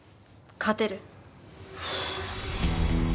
勝てる。